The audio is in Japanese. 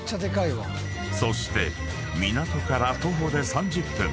［そして港から徒歩で３０分］